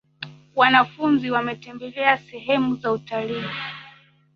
Wanafunzi wametembelea sehemu za utalii.